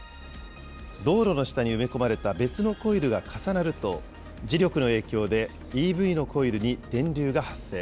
道路の下に埋め込まれた別のコイルが重なると、磁力の影響でＥＶのコイルに電流が発生。